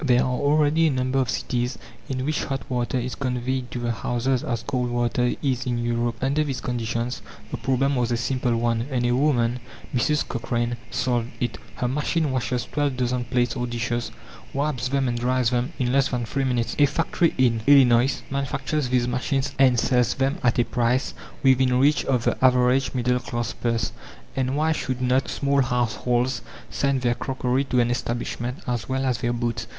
There are already a number of cities in which hot water is conveyed to the houses as cold water is in Europe. Under these conditions the problem was a simple one, and a woman Mrs. Cochrane solved it. Her machine washes twelve dozen plates or dishes, wipes them and dries them, in less than three minutes. A factory in Illinois manufactures these machines and sells them at a price within reach of the average middle class purse. And why should not small households send their crockery to an establishment as well as their boots?